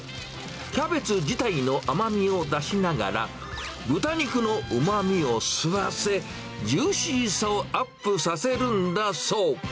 キャベツ自体の甘みを出しながら、豚肉のうまみを吸わせ、ジューシーさをアップさせるんだそう。